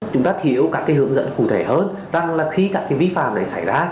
chúng ta hiểu các hướng dẫn cụ thể hơn rằng khi các vi phạm này xảy ra